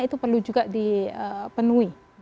itu juga perlu dipenuhi